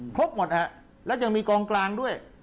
ครบหมดครับและยังมีกองกลางด้วย